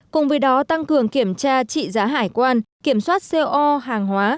cùng với đó tăng cường kiểm tra trị giá hải quan kiểm soát co hàng hóa